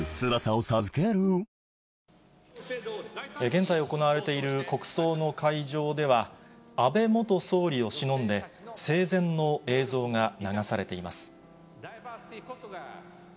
現在行われている国葬の会場では、安倍元総理をしのんで、生前の映像が流されています。